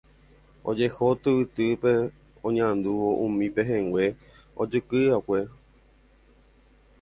ojeho tyvytýpe oñe'andúvo umi pehẽngue ojehekyi'akuépe.